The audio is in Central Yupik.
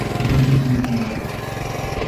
cavuutuk